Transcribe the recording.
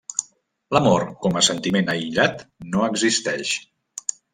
L'amor, com a sentiment aïllat, no existeix.